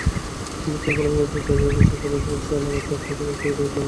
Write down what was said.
সমীক্ষার ফলাফলে দেখা যায়, দেশের প্রধান সমস্যা হিসেবে মানুষ রাজনৈতিক অস্থিরতাকে চিহ্নিত করেছে।